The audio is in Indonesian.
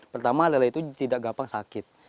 pertama lele itu tidak gampang sakit